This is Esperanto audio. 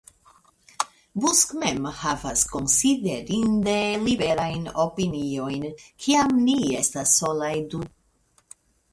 Busk mem havas konsiderinde liberajn opiniojn, kiam ni estas solaj du.